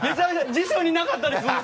辞書になかったですもん。